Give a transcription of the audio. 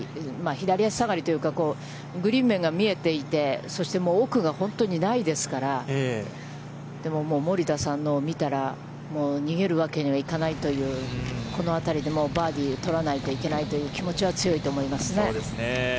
左足下がりというか、グリーン面が見えていて、そして奥が本当にないですから、でも、森田さんのを見たら、逃げるわけにはいかないという、このあたりでもうバーディーを取らないといけないという気持ちは強いと思いますね。